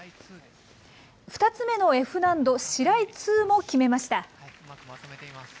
２つ目のＦ難度、シライ２も決めました。